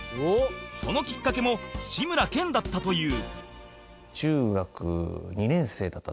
そのきっかけも志村けんだったという